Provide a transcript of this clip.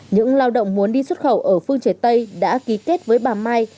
những lao động muốn đi xuất khẩu ở phương chế tây đã ký kết với bà mai